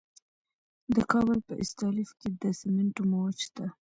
د کابل په استالف کې د سمنټو مواد شته.